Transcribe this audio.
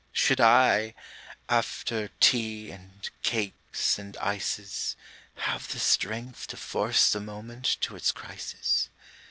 Should I, after tea and cakes and ices, Have the strength to force the moment to its crisis?